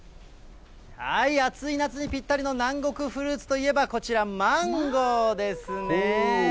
暑い夏にぴったりの南国フルーツといえば、こちら、マンゴーですね。